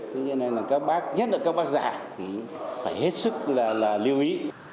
thế nên là các bác nhất là các bác giả cũng phải hết sức là lưu ý